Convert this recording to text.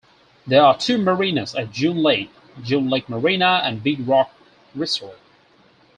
There are two marinas at June Lake: June Lake Marina and Big Rock Resort.